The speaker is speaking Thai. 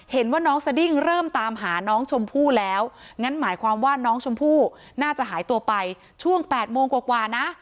เห็นว่าน้องสดิ้งเริ่มตามหาน้องชมพู่แล้วงั้นหมายความว่าน้องชมพู่น่าจะหายตัวไปช่วง๘โมงกว่านะ